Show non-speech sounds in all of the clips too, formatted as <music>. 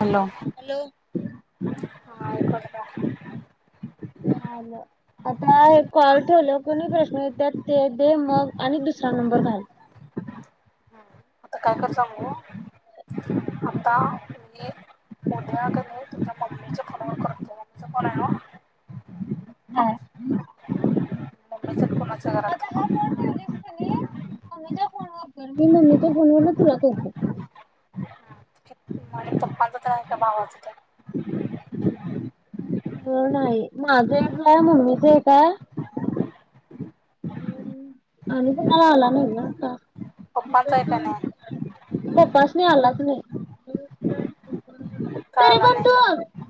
Hello, हा hello. एकु आलं काय? हो आलं, आता हे कॉल ठेवलं कणी, प्रश्न येत्यात ते दे मग आणि दुस सरा नंबर घाल. आता काय कर सांगू? मग आता मी उद्या कणी तुमच्या मम्मीच्या फोनवर करतो, <unintelligible> फोन हाय ना? मम्मी चा फोन <unintelligible> तर मी मम्मीच्या फोनवरणं तुला करतो. आणि पापांचा तेन आहे का नाही भावाचा तेन? नाही माझं एक हाय मम्मीच एक हाय आणि कुणाला आला नाही गं आता. पप्पांचा आहे का नाही पप्पासनी आलाच नाही. का तरी आला पण तू नाही.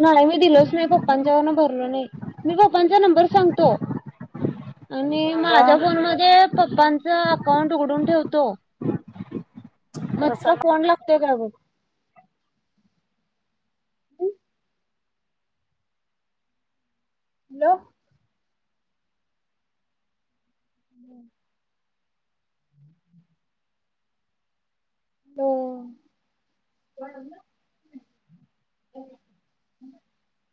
नाही मी दिलोच नाही. पप्पांच्या वरनं भरलं नाही. मी पप्पांचा नंबर सांगतो. आणि माझ्या अगं फोनमध्ये पप्पांच अकाउंट उघडून ठेवतो, मग तुला तसं फोन ला तोय का बघ <unintelligible> हॅलो. हम्म. हो. <inaudible>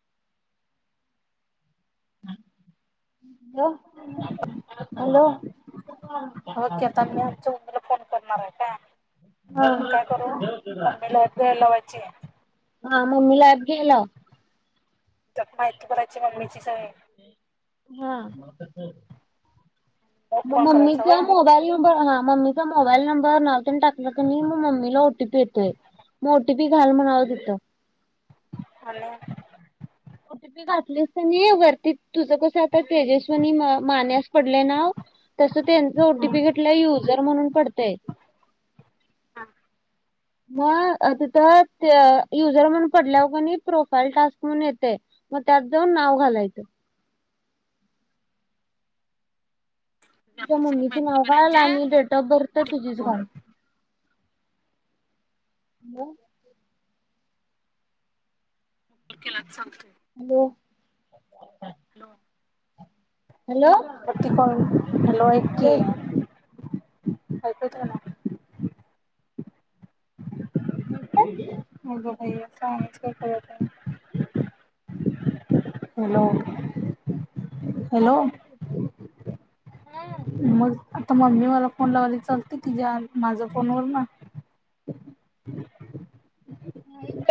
Hello hello. ओके, आता मी आमच्या मम्मीला फोन करणार आहे काय. हा. म काय करू, मम्मीला ॲप घ्यायला लावायची. हा मम्मीला ॲप घ्याय लाव. माहिती भरायची मम्मीचीच आहे. हा मग म फोन करायचा व्हय मम्मीचे मोबाईल नंबर आ मम्मीचा मोबाईल नंबर नाव तेन टाकलं कणी म मम्मीला ओटीपी येतोय. म ओटीपी घाल म्हणावं तिथं. हॅलो. ओटीपी घातली कणी वरती तुझं कसं आता तेजस्वनी माने असं पडलंय ना तसं त्यांच ओटीपी घातल्यावर युजर म्हणून पडतंय. हा. म अ तिथं ते युजर म्हणून पडल्यावरं कणी प्रोफाईल टास्क म्हणून येतंय. मग त्यात जाऊन नाव घालायचं. तुझ्या आपली सगळी मम्मीचं माहिती नाव घाल आणि डेट ऑफ बर्थ तुझीच भरायची घाल. अं? तेलाच सांगतो. हॅलो. हॅलो हॅलो हॅलो ऐक की. ऐकू येते का नाही. येतेय. अग बाई असंच काय करत आहे. हॅलो. हॅलो नस्. आता मम्मी मला फोन लावायला चालते तिच्या माझ्या फोनवर ना.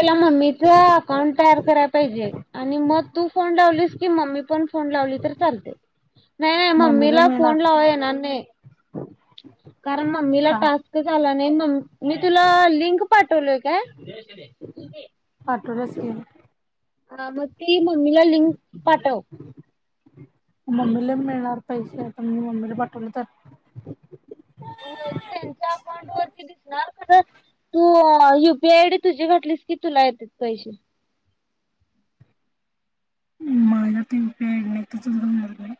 ला मम्मीच अकाउंट तयार कराला पाहिजे आणि मग तू फोन लावलीस की म. मम्मी पण फोन लावली तर चालते. <inaudible> नाही नाही मम्मीला फोन लाव येणार नाही. कारण मम्मीला का टास्कच आला नाही मग मी तुला लिंक. पाठवलोय काय? पाठवल्यास की. हां म ते मम्मीला लिंक पाठव. मम्मीला मिळणार पैसे पण मी मम्मीला पाठवले तर. होय ते त्यांच्या अकाउंट वरती दिसणार. तू युपीआय आयडी तुझी घटलीस की तुला येतेत पैसे. मला ते पेड नाही <unintelligible> नाही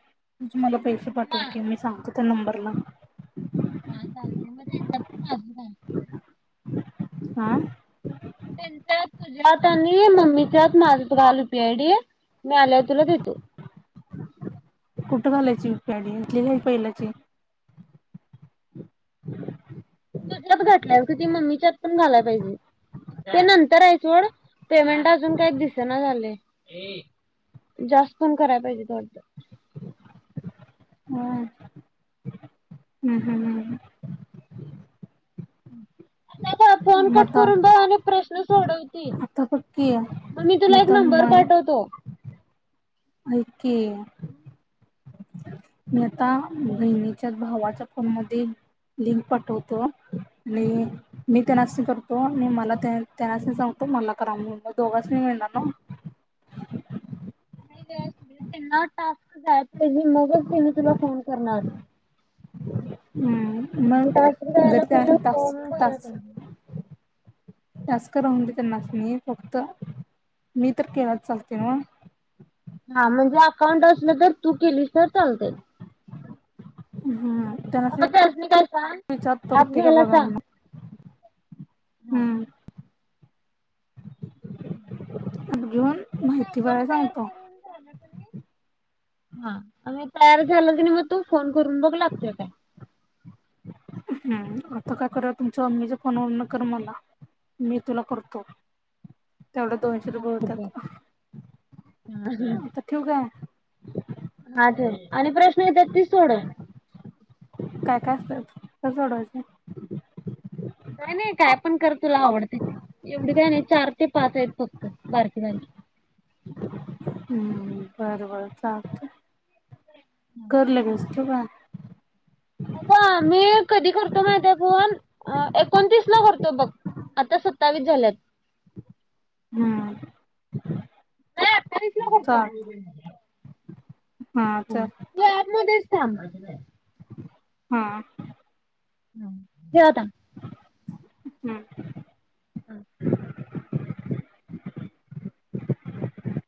तु मला पैसे पाठवल की मी सांगतो. त्या नंबरला. हां चालतंय मग त्यांच्यात पण माझंच आहे. आं. त्यांच्या तुझ्यात आणि मम्मीच्यात माझच घालू यूपीआयेआयडी. मी आल्यावर तुला देतो. कुठं घालायची युपीआयेआयडी इथली का पहिलाची? तुझ्यात घातल्यास ग ती मम्मीच्यात घालाय पाहिजे. ते नंतर आहे सोड पेमेंट अजून काही दिसना झालंय. जास्त पण करायला पाहिजेत वाटतं. <inaudible> हम्म हम्म हम्म हम्म. फोन कट मता करून बघ आणि प्रश्न सोडव ते आतापक्की मग मी तुला एक मता नंबर पाठवतो. ऐक की. मी आता बहिणीच्या भावाच्या फोन मध्ये. लिंक पाठवतो आणि मी त्यानसनी करतो आणि मला त्यांनासनी सांगतो. मला करा म्हणून मग दोघासनी मिळणार नव्ह? नाही ग त्यांना टास्क जाया पाहिजे मगच त्यांनी तुला फोन करणार. मग आणि टास्क जर जायला पहिला त्यासनि फॉर्म टास्क भराय टास्क. पाहिजे. टास्क राहून दे त्यांनासनी फक्त. मी तर केला चालतंय नव्ह? हां म्हणजे अकाउंट असल तर तू केलीस तर चालतंय. हम्म त्यांनासनी अगं त्यासनी काय सांग विचारतो ॲप होते का घ्यायला बघा सांग. म्हणून हा हम्म. <inaudible> ॲप घेऊन माहिती भराय सांगतो. हां आणि म तयार झालं क नई मग तू फोन करून बघ लागतोय काय. हम्म आता काय करा तुमच्या मम्मीच्या फोनवरन कर मला. मी तुला करतो. तेवढ्यात दोनशे रुपये होत्यात आता ठेऊ काय? हां ठेव आणि प्रश्न येत्यात ती सोडव. काय काय असतात? कस सोडवायचं? काय नाही काय पण कर तुला आवडतय ते एवढी काय नाही चार ते पाच आहेत फक्त बारकी बारकी. <inaudible> हम्म बरं बरं चालतंय. कर लगेच, ठेऊ काय? अगं आम्ही कधी करतो माहिती आहे फोन एकोणतीस ला करतो बघ. आता सत्तावीस झाल्यात. हम्म. चाळीस ला करतो. हां तू चल. ऍप मध्येच थांब. हा. <inaudible> दे आता हम्म. हा.